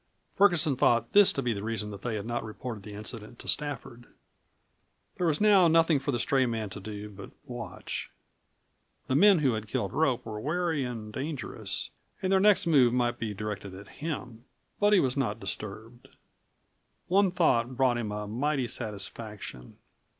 Ferguson thought this to be the reason that they had not reported the incident to Stafford. There was now nothing for the stray man to do but watch. The men who had killed Rope were wary and dangerous, and their next move might be directed at him. But he was not disturbed. One thought brought him a mighty satisfaction.